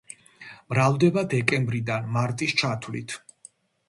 მრავლდება დეკემბრიდან მარტის ჩათვლით.